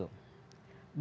bukan saya keberadaan